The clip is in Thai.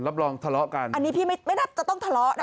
รับรองทะเลาะกันอันนี้พี่ไม่น่าจะต้องทะเลาะนะ